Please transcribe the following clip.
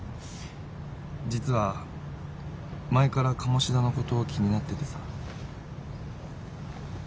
実は前から鴨志田のこと気になっててさ。